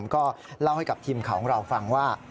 ก็เล่าให้กับทีมข่าวของเราฟังว่า